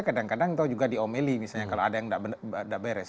kadang kadang tahu juga di omeli misalnya kalau ada yang tidak beres